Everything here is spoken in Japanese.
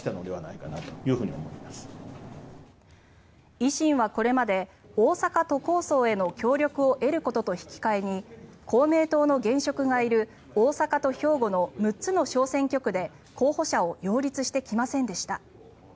維新はこれまで大阪都構想への協力を得ることと引き換えに公明党の現職がいる大阪と兵庫の６つの小選挙区で候補者を擁立してきませんでした。